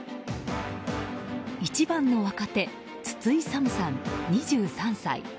一番の若手筒井佐夢さん、２３歳。